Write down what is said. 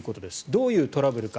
どういうトラブルか。